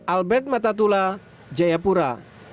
albert matatula jayapura